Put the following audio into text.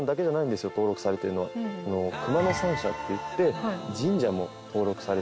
熊野三社っていって神社も登録されていて。